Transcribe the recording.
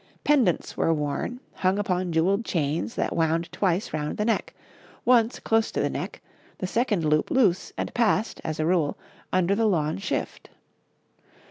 Pendants were worn, hung upon jewelled chains that wound twice round the neck, once close to the neck, the second loop loose and passed, as a rule, under the lawn shift.